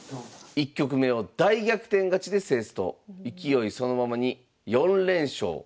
１局目を大逆転勝ちで制すと勢いそのままに４連勝。